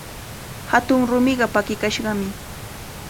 Hatun rumiqa pakikashqami.